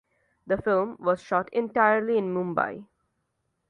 The film was shot entirely in Mumbai.